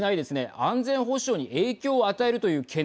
安全保障に影響を与えるという懸念